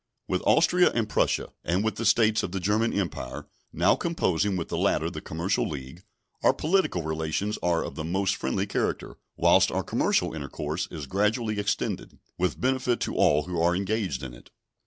With Austria and Prussia and with the States of the German Empire (now composing with the latter the Commercial League) our political relations are of the most friendly character, whilst our commercial intercourse is gradually extending, with benefit to all who are engaged in it.